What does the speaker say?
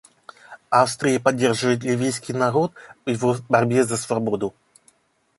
Австрия поддерживает ливийский народ в его борьбе за свободу.